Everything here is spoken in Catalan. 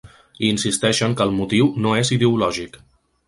I insisteixen que el motiu no és ideològic.